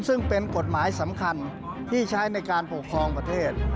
ซึ่งเป็นกฎหมายสำคัญที่ใช้ในการปกครองประเทศ